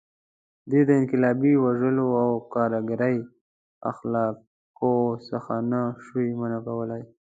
دوی د انقلابي وژلو او کارګري اخلاقو څخه نه شوای منع کولی.